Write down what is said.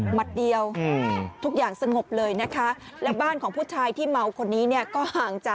กระทั่งไปตามญาติของชายที่เมาเนี่ยตามมานะฮะ